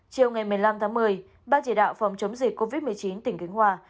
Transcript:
chiều ngày một mươi năm tháng một mươi ban chỉ đạo phòng chống dịch covid một mươi chín tỉnh khánh hòa